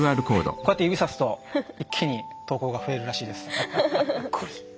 こうやって指さすと一気に投稿が増えるらしいです。